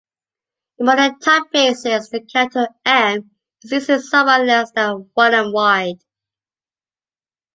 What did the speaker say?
In modern typefaces, the character M is usually somewhat less than one em wide.